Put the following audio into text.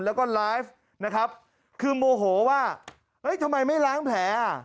แล้วก็ไลฟ์นะครับคือโมโหว่าเฮ้ยทำไมไม่ล้างแผลอ่ะ